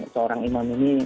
seorang imam ini